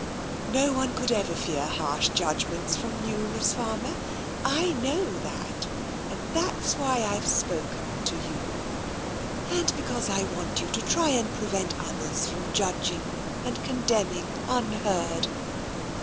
" No one could ever fear harsh judgments from you. Miss Farmer. I know that, and that's why Tve spoken to you. And because I want you to try and prevent others from judging and condemning unheard.